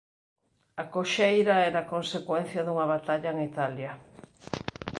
A coxeira era consecuencia dunha batalla en Italia.